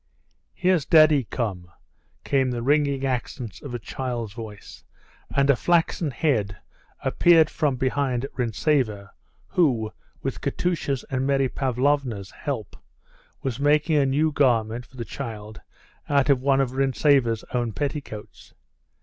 "Here's daddy come," came the ringing accents of a child's voice, and a flaxen head appeared from behind Rintzeva, who, with Katusha's and Mary Pavlovna's help, was making a new garment for the child out of one of Rintzeva's own petticoats.